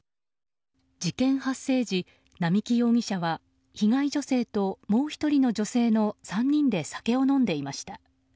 事件発生時並木容疑者は被害女性ともう１人の女性の３人で酒を飲んでいました。